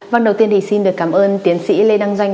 vâng đầu tiên thì xin được cảm ơn tiến sĩ lê đăng doanh